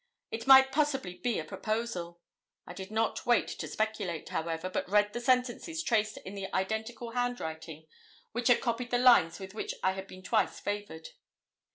It might possibly be a proposal. I did not wait to speculate, however, but read these sentences traced in the identical handwriting which had copied the lines with which I had been twice favoured.